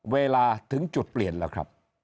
เวลาถึงจุดเปลี่ยนแล้วครับ